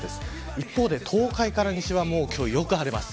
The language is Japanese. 一方で東海から西は今日はよく晴れます。